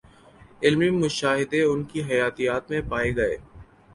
علمی مشاہدے ان کی حیاتیات میں پائے گئے